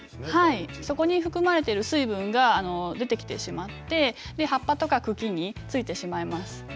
そこに含まれている水分が出てきてしまって葉っぱとか茎に付いてしまいます。